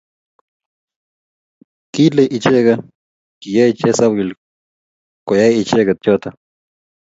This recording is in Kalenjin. kile icheke kiyei chesawil koyai icheke choto